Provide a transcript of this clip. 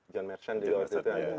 john merchant juga waktu itu ya